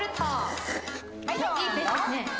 いいペースですね。